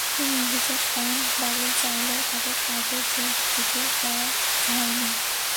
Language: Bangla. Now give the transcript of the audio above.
তিনি অভিযোগ করেন, বাবুল চাইলেও তাঁকে কাজে যোগ দিতে দেওয়া হয়নি।